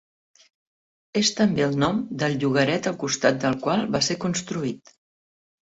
És també el nom del llogaret al costat del qual va ser construït.